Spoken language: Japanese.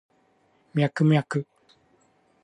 ミャクミャク